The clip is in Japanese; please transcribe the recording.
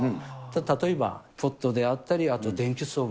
例えば、ポットであったり、あと電気ストーブ。